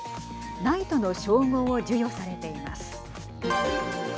ナイトの称号を授与されています。